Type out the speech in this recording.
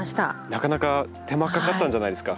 なかなか手間かかったんじゃないですか？